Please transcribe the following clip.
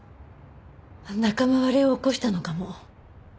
仲間割れを起こしたのかも。